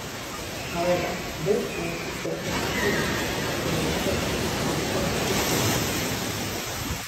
However, this seems to set an upper limit on the effects of test sophistication.